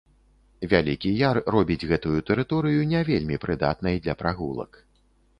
Вялікі яр робіць гэтую тэрыторыю не вельмі прыдатнай для прагулак.